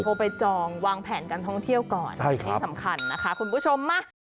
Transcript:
ไปจองวางแผนการท่องเที่ยวก่อนอันนี้สำคัญนะคะคุณผู้ชมมา